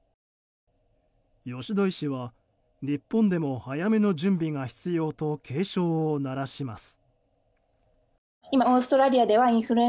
吉田医師は日本でも早めの準備が必要と警鐘を鳴らします。